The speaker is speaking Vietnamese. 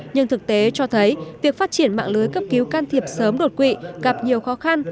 nhưng thực tế cho thấy việc phát triển mạng lưới cấp cứu can thiệp sớm đột quỵ gặp nhiều khó khăn